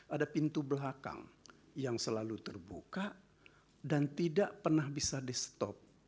ada pintu belakang yang selalu terbuka dan tidak pernah bisa di stop